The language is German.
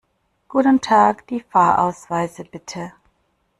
Guten Tag, die Fahrausweise bitte!